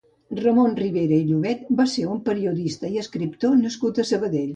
Ramon Ribera i Llobet va ser un periodista i escriptor nascut a Sabadell.